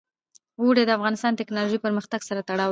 اوړي د افغانستان د تکنالوژۍ پرمختګ سره تړاو لري.